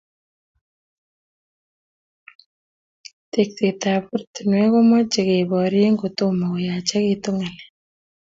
Teksetab oratinwek komochei keborie kotomo koyachikitu ngalek